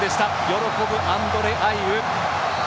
喜ぶアンドレ・アイウ。